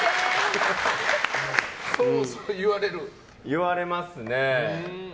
言われますね。